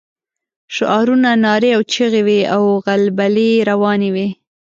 شعارونه، نارې او چيغې وې او غلبلې روانې وې.